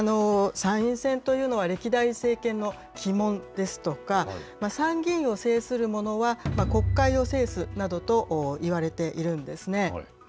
参院選というのは、歴代政権のきもんですとか、参議院を制する者は国会を制すなどといわれているんですね。